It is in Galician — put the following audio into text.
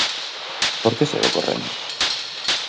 ¿Por que segue ocorrendo?